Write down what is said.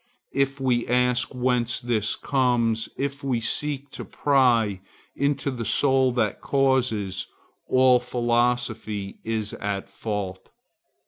If we ask whence this comes, if we seek to pry into the soul that causes, all philosophy is at fault.